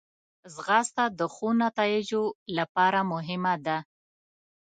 ځغاسته د ښو نتایجو لپاره مهمه ده